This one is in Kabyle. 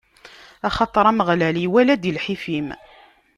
Axaṭer Ameɣlal iwala-d i lḥif-im.